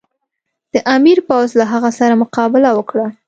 د امیر پوځ له هغه سره مقابله وکړه.